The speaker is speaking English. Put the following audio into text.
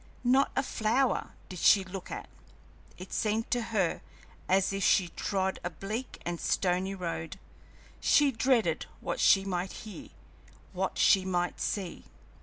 Not a flower did she look at. It seemed to her as if she trod a bleak and stony road. She dreaded what she might hear, what she might see.